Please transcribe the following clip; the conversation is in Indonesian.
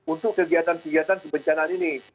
untuk kegiatan kegiatan kebencanaan ini